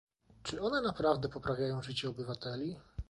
czy one naprawdę poprawiają życie obywateli?